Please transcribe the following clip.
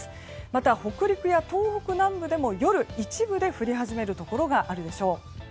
また、北陸や東北南部でも夜、一部で降り始めるところがあるでしょう。